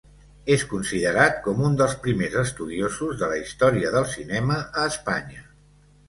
És considerat com un dels primers estudiosos de la història del cinema a Espanya.